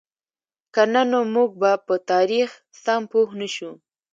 که نه نو موږ به په تاریخ سم پوهـ نهشو.